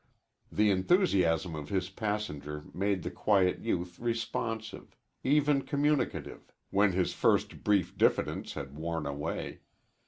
The enthusiasm of his passenger made the quiet youth responsive, even communicative, when his first brief diffidence had worn away.